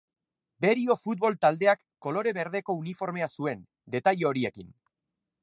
Berio Futbol taldeak kolore berdeko uniformea zuen, detaile horiekin.